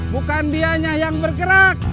bukan dia yang bergerak